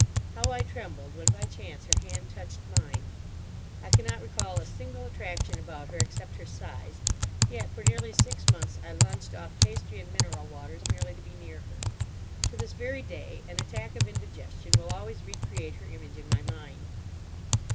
How I trembled when by chance her hand touched mine! I cannot recall a single attraction about her except her size, yet for nearly six months I lunched off pastry and mineral waters merely to be near her. To this very day an attack of indigestion will always recreate her image in my mind.